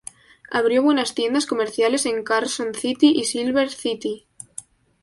Abrió buenas tiendas comerciales en Carson City y Silver City.